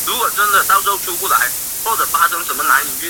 自幼受到家乡丰富的民间音乐熏陶。